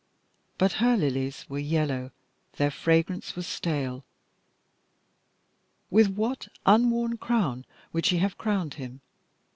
but her lilies were yellow, their fragrance was stale. With what an unworn crown would she have crowned him!